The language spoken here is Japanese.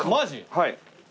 はい。